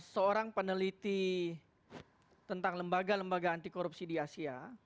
seorang peneliti tentang lembaga lembaga anti korupsi di asia